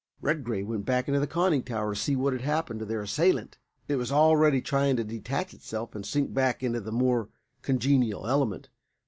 Redgrave went back into the conning tower to see what happened to their assailant. It was already trying to detach itself and sink back into a more congenial element.